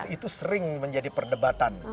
itu sering menjadi perdebatan